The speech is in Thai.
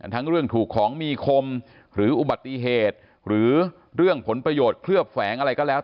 ทั้งเรื่องถูกของมีคมหรืออุบัติเหตุหรือเรื่องผลประโยชน์เคลือบแฝงอะไรก็แล้ว